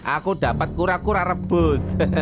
aku dapat kura kura rebus